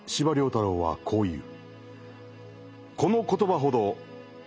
太郎はこう言う。